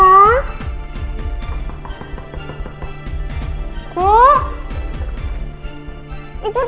ada suara vakum di dalam